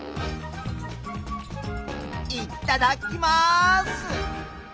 いっただっきます！